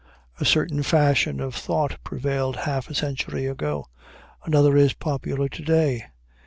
A certain fashion of thought prevailed half a century ago; another is popular to day.